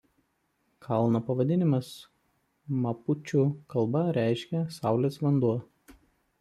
Kalno pavadinimas mapučių kalba reiškia „saulės vanduo“.